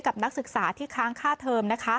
กับนักศึกษาที่ค้างค่าเทอม